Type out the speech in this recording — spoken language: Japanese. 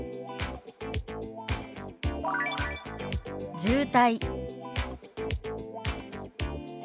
「渋滞」。